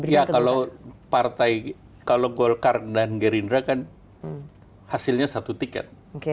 ya kalau golkar dan gerindra kan hasilnya satu tiket